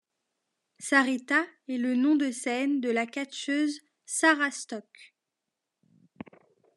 Sarita est le nom de scène de la catcheuse Sarah Stock.